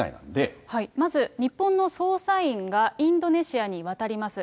まず、日本の捜査員がインドネシアに渡ります。